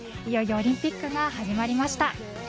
いよいよオリンピックが始まりました。